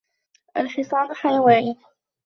الحصان حيوان.